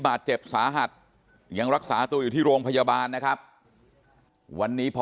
บาดเจ็บสาหัสยังรักษาตัวอยู่ที่โรงพยาบาลนะครับวันนี้พอ